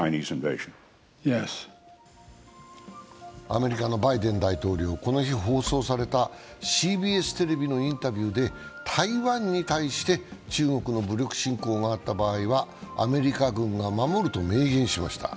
アメリカのバイデン大統領、この日、放送されたＣＢＳテレビのインタビューで台湾に対して中国の武力侵攻があった場合にはアメリカ軍が守ると明言しました。